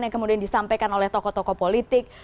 yang kemudian disampaikan oleh tokoh tokoh politik